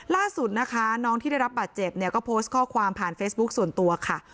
ล่าสุดนะคะน้องที่ได้รับบาดเจ็บเนี่ยก็โพสต์ข้อความผ่านเฟซบุ๊คส่วนตัวค่ะ